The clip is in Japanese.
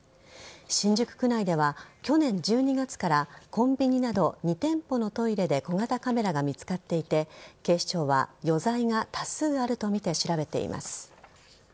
新宿区内では去年１２月からコンビニなど２店舗のトイレで小型カメラが見つかっていて警視庁は、余罪が多数あるとみて調べています。